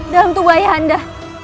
dalam tubuh ayah nda